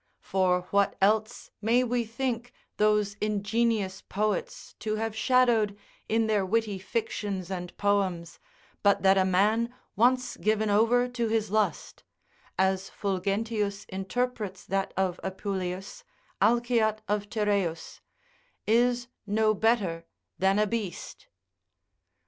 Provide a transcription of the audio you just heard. For what else may we think those ingenious poets to have shadowed in their witty fictions and poems but that a man once given over to his lust (as Fulgentius interprets that of Apuleius, Alciat of Tereus) is no better than a beast.